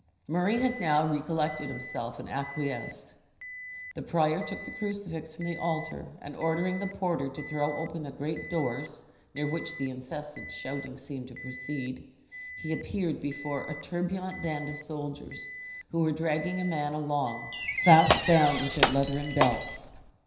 Murray had now recollected himself, and acquiesced. The prior took the crucifix from the altar, and ordering the porter to throw open the great doors (near which the incessant shouting seemed to proceed), he appeared before a turbulent band of soldiers, who were dragging a man along, fast bound with their leathern belts.